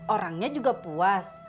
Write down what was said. orangnya juga puas